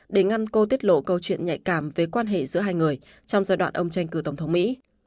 để ngăn cô tiết lộ câu chuyện nhạy cảm về quan hệ giữa hai người trong giai đoạn ông tranh cử tổng thống mỹ